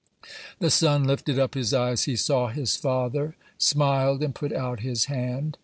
The son lifted up his eyes; he saw his father, smiled, and put out his hand.